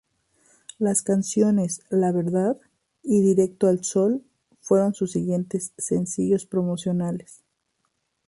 Las canciones "La verdad" y "Directo al sol" fueron sus siguientes sencillos promocionales.